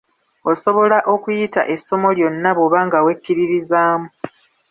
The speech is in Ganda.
Osobola okuyita essomo lyonna bw'oba nga wekkiririzaamu.